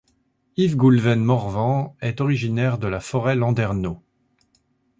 Yves-Goulven Morvan est originaire de La Forest Landerneau.